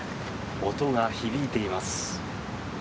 音が響いています。